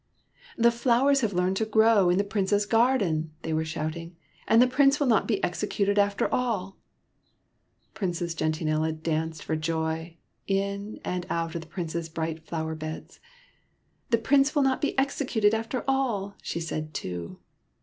*' The flowers have learned the way to grow in the Prince's garden/' they were shouting; " and the Prince will not be executed, after all !" Princess Gentianella danced for joy, in and out of the Prince's bright flower beds. " The Prince will not be executed, after all," she said, too.